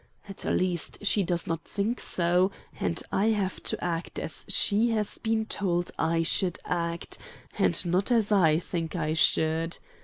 At least she does not think so, and I have to act as she has been told I should act, and not as I think I should.